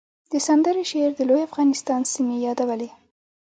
د سندرې شعر د لوی افغانستان سیمې یادولې